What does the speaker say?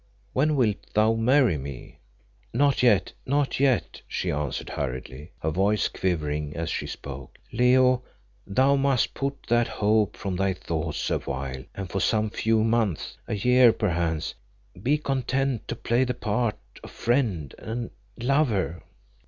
When wilt thou marry me?" "Not yet, not yet," she answered hurriedly, her voice quivering as she spoke. "Leo, thou must put that hope from thy thoughts awhile, and for some few months, a year perchance, be content to play the part of friend and lover."